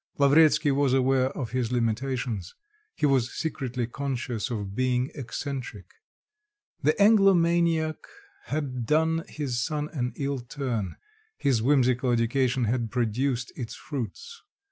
Lavretsky was aware of his limitations; he was secretly conscious of being eccentric. The Anglomaniac had done his son an ill turn; his whimsical education had produced its fruits.